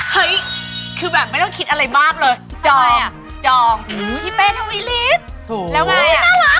เห้คือแบบไม่ต้องคิดอะไรมากเลย